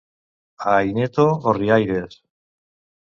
A Aineto, orriaires.